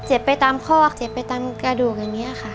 ไปตามคอกเจ็บไปตามกระดูกอย่างนี้ค่ะ